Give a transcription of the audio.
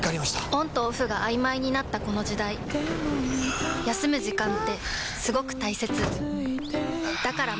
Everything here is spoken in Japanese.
オンとオフが曖昧になったこの時代休む時間ってすごく大切だから毎日の中でひといき習慣を